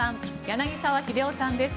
柳澤秀夫さんです。